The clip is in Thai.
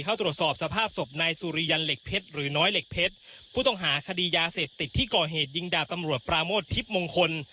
เข้าตรวจสอบสภาพศพนายสุริยันเหล็กเพชรหรือน้อยเหล็กเพชรผู้ต้องหาคดียาเสพติดที่ก่อเหตุยิงดาบตำรวจปราโมททิพย์มงคล